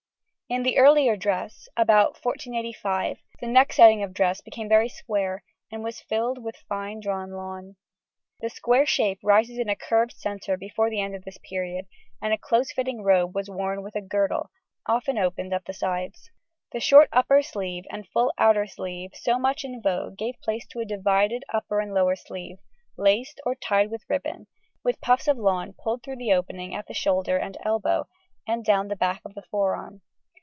In the earlier dress, about 1485, the neck setting of dress became very square, and was filled with fine drawn lawn. The square shape rises in a curved centre before the end of this period, and a close fitting robe was worn with a girdle, often opened up the sides. The short upper sleeve and full outer sleeve so much in vogue gave place to a divided upper and lower sleeve, laced or tied with ribbon, with puffs of lawn pulled through the openings at shoulder and elbow, and down the back of the forearm.